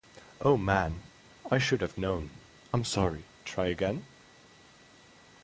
Oh man, I should have known. I'm sorry, try again?